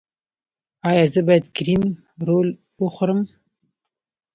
ایا زه باید کریم رول وخورم؟